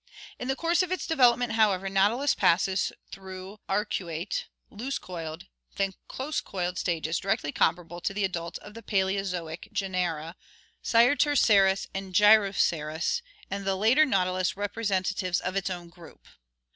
In the course of its development, however, Nautilus passes through ar cuate (L. arcuatus, shaped like a bow), loose coiled, then close coiled stages directly comparable to the adults of the Paleozoic genera Cyrtoceras and Gyroceras, and the later Nautilus representa tives of its own group.